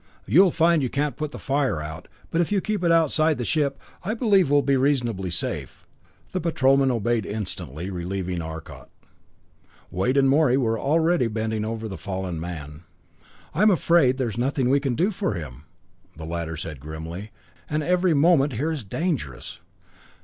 You'll find you can't put the fire out, but if you keep it outside the ship, I believe we'll be reasonably safe." The Patrolman obeyed instantly, relieving Arcot. Wade and Morey were already bending over the fallen man. "I'm afraid there's nothing we can do for him," the latter said grimly, "and every moment here is dangerous.